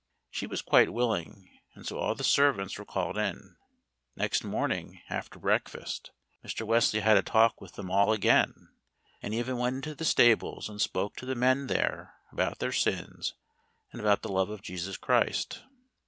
She was quite willing, and so all the servants were called in. Next morning, after breakfast, Mr. Wesley had a talk with them all again, and even went into the stables and spoke to the men there about their sins and about the love of Jesus Christ.